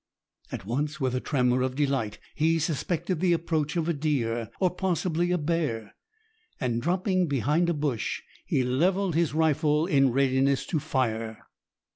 At once with a tremor of delight he suspected the approach of a deer, or possibly a bear, and dropping behind a bush, he levelled his rifle in readiness to fire.